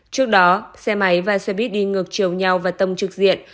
trước đó xe máy và xe buýt đi ngược chiều nhau và tông trực diện